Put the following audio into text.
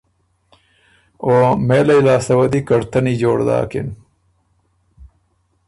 او مېلئ لاسته وه دی کړتنی جوړ داکِن۔